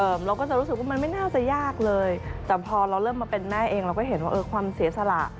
เราก็จะรู้สึกว่ามันไม่น่าจะยากเลยแต่พอเราเริ่มมาเป็นแม่เองเราก็เห็นว่าเออความเสียสละ